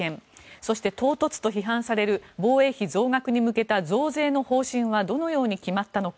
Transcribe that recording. そして、唐突と批判される防衛費増額に向けた増税の方針はどのように決まったのか。